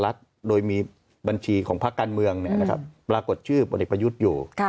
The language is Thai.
รัฐโดยมีบัญชีของภาคการเมืองประกดชื่อปฎิประยุทธ์อยู่